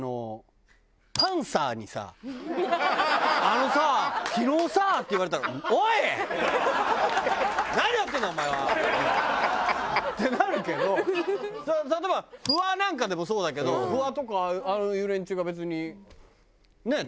「あのさ昨日さ」って言われたら「おい！何やってんだお前は」。ってなるけど例えばフワなんかでもそうだけどフワとかああいう連中が別にねえ？